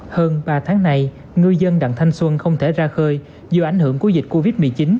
hơn ba tháng nay ngư dân đặng thanh xuân không thể ra khơi do ảnh hưởng của dịch covid một mươi chín